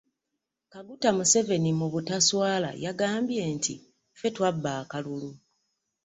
Kaguta Museveni mu butaswala yagamba nti ffe twabba akalulu.